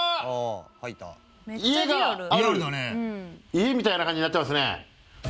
家みたいな感じになってますね。